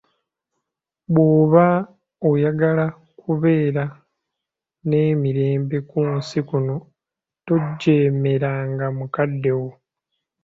Bw'oba oyagala okubeera n'emirembe ku nsi kuno, tojeemeranga mukaddewo.